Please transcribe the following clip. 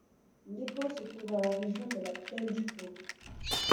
Lecco se trouve dans la région de la plaine du Pô.